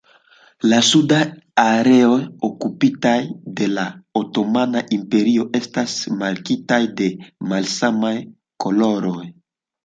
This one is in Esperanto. La sudaj areoj okupitaj de la otomana imperio estas markitaj de malsamaj koloroj.